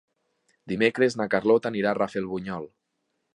Dimecres na Carlota anirà a Rafelbunyol.